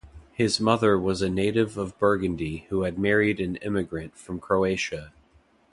His mother was a native of Burgundy who had married an immigrant from Croatia.